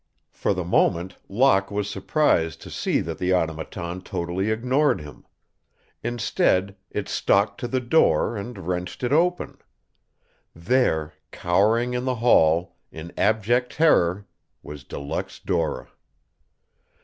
For the moment Locke was surprised to see that the Automaton totally ignored him. Instead, it stalked to the door and wrenched it open. There, cowering in the hall, in abject terror, was De Luxe Dora.